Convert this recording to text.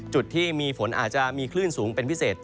จุดที่มีฝนอาจจะมีคลื่นสูงเป็นพิเศษ